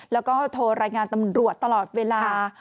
แล้วก็โทรรายงานตำรวจตลอดเวลา